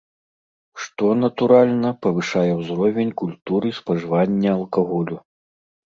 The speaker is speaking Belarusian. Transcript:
Што, натуральна, павышае ўзровень культуры спажывання алкаголю.